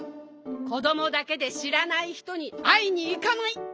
こどもだけでしらないひとにあいにいかない！